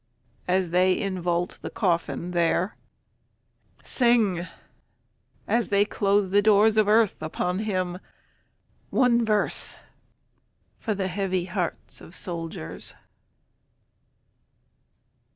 As they invault the coffin there, Sing as they close the doors of earth upon him one verse, For the heavy hearts of soldiers.